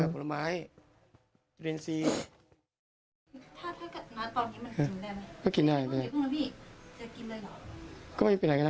ผสมน้ำอารมณ์